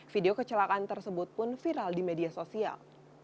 video kecelakaan tersebut pun viral di media sosial